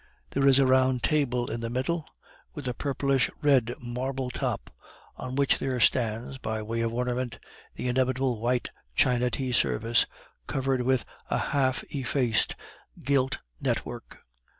There is a round table in the middle, with a purplish red marble top, on which there stands, by way of ornament, the inevitable white china tea service, covered with a half effaced gilt network.